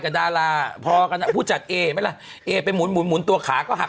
พระเอกถอดเสื้อกันตลอด